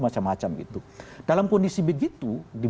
macam macam gitu dalam kondisi begitu di